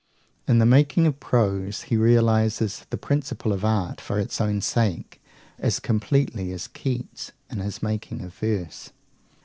In the making of prose he realises the principle of art for its own sake, as completely as Keats in the making of verse.